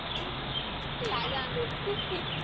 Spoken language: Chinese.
浙江省范围内的普通高级中学。